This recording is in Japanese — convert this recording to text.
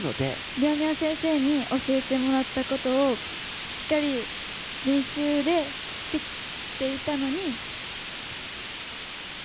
りょんりょん先生に教えてもらったことをしっかり練習でできていたのに。